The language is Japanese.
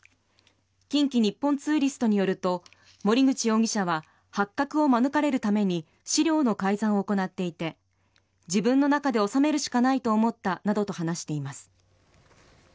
近畿日本ツーリストによると森口容疑者は発覚を免れるために資料の改ざんを行っていて自分の中で収めるしかないと思ったなどと話しています。